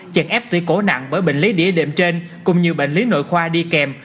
chẳng ép tủy cổ nặng bởi bệnh lý đĩa đệm trên cùng như bệnh lý nội khoa đi kèm